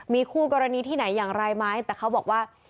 มีคู่กรณีที่ไหนอย่างไรไหมแต่เขาบอกว่า